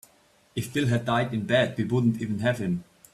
If Bill had died in bed we wouldn't even have him.